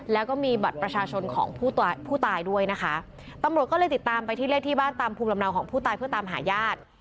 แล้วก็มีบัตรประชาชนของผู้ตายผู้ตายด้วยนะคะตำรวจก็เลยติดตามไปที่เลขที่บ้านตามภูมิลำเนาของผู้ตายเพื่อตามหาญาติ